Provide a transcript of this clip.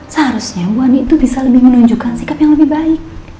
seharusnya ibu ani itu bisa lebih menunjukkan sikap yang lebih baik